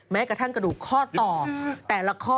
แม้กระทั่งกระดูกข้อต่อแต่ละข้อ